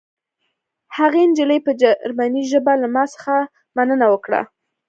هغې نجلۍ په جرمني ژبه له ما څخه مننه وکړه